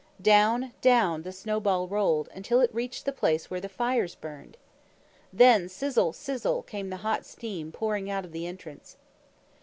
Down, down, the snowball rolled, until it reached the place where the fires burned. Then sizzle, sizzle, came the hot steam pouring out of the entrance.